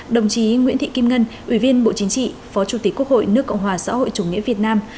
đồng chí nguyễn thị kim ngân ủy viên bộ chính trị phó chủ tịch quốc hội nước cộng hòa xã hội chủ nghĩa việt nam